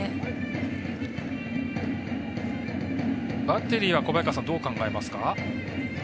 バッテリーは小早川さん、どう考えますか？